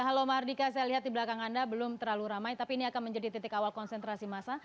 halo mahardika saya lihat di belakang anda belum terlalu ramai tapi ini akan menjadi titik awal konsentrasi massa